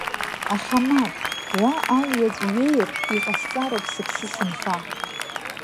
Аха, мап, уа алҩаҵә ҩеиртә иҟасҵароуп сыԥсы-сынха.